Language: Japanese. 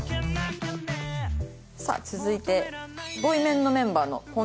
さあ続いてボイメンのメンバーの本田さんです。